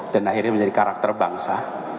dan akhirnya menjadi karakter bangsa